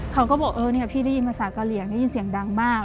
เขาก็บอกเออเนี่ยพี่ได้ยินภาษากะเหลี่ยงได้ยินเสียงดังมาก